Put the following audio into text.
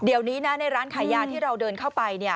เดี๋ยวนี้นะในร้านขายยาที่เราเดินเข้าไป